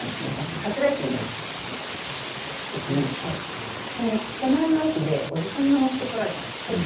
桂駅に着くときに手前の駅でおじさんが乗ってこられたんです。